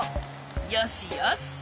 よしよし。